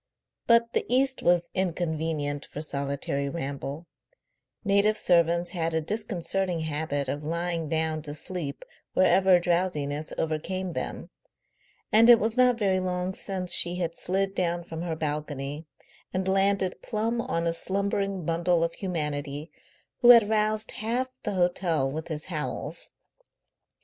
But the East was inconvenient for solitary ramble; native servants had a disconcerting habit of lying down to sleep wherever drowsiness overcame them, and it was not very long since she had slid down from her balcony and landed plumb on a slumbering bundle of humanity who had roused half the hotel with his howls.